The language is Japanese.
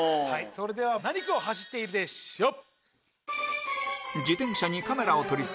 それでは何区を走っているでしょう？